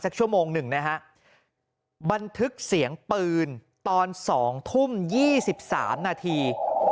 ชั่วโมงหนึ่งนะฮะบันทึกเสียงปืนตอน๒ทุ่ม๒๓นาที